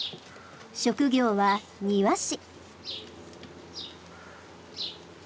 職業は庭師。